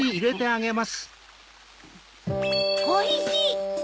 おいしい！